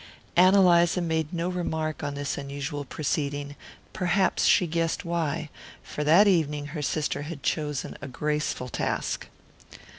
Ann Eliza made no remark on this unusual proceeding; perhaps she guessed why, for that evening her sister had chosen a graceful task.